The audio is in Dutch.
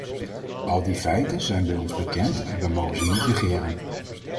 Al die feiten zijn bij ons bekend en wij mogen ze niet negeren.